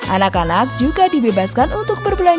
anak anak juga dibebaskan untuk berbelanja